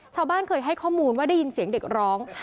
ชาวบ้านเคยให้ข้อมูลว่าได้ยินเสียงเด็กร้อง